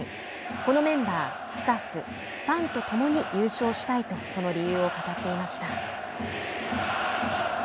このメンバースタッフ、ファンとともに優勝したいとその理由を語っていました。